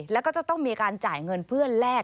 แล้วก็จะต้องมีการจ่ายเงินเพื่อแลก